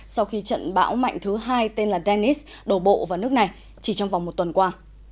sau khi trận bão mạnh thứ hai tên là dennis đổ bộ vào nước này chỉ trong vòng một tuần qua